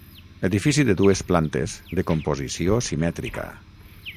Edifici de dues plantes, de composició simètrica.